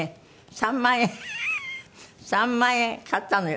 ３万円３万円買ったのよ。